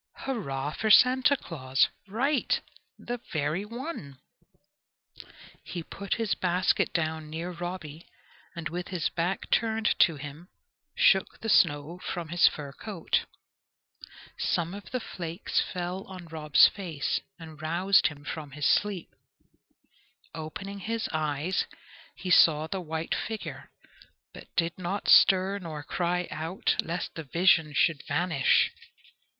"Hurrah for Santa Claus!" Right! the very one. He put his basket down near Robby, and with his back turned to him shook the snow from his fur coat. Some of the flakes fell on Rob's face and roused him from his sleep. Opening his eyes, he saw the white figure, but did not stir nor cry out, lest the vision should vanish.